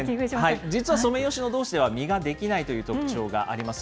実はソメイヨシノどうしでは、実が出来ないという特徴があります。